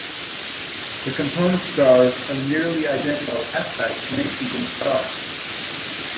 The component stars are nearly identical F-type main-sequence stars.